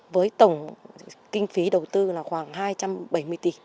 với tổng kinh phí đầu tư là khoảng hai trăm bảy mươi tỷ